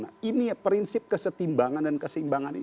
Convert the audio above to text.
nah ini prinsip kesetimbangan dan keseimbangan ini